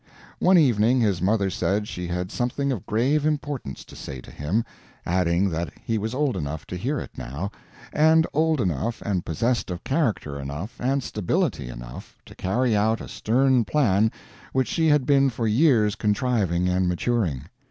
One evening his mother said she had something of grave importance to say to him, adding that he was old enough to hear it now, and old enough and possessed of character enough and stability enough to carry out a stern plan which she had been for years contriving and maturing.